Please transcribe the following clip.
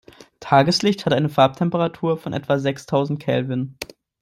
Tageslicht hat eine Farbtemperatur von etwa sechstausend Kelvin.